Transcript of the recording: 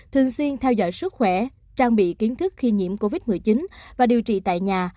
thường xuyên theo dõi sức khỏe trang bị kiến thức khi nhiễm covid một mươi chín và điều trị tại nhà